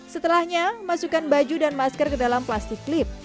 setelahnya masukkan baju dan masker ke dalam plastik klip